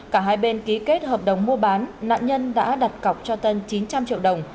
cả hai bên ký kết hợp đồng mua bán nạn nhân đã đặt cọc cho tân chín trăm linh triệu đồng